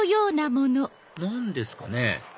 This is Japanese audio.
何ですかね？